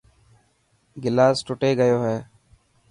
گلاس ٽٽي گيو هي.